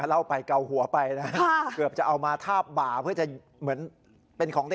เล่าไปเกาหัวไปนะเกือบจะเอามาทาบบ่าเพื่อจะเหมือนเป็นของเด็ก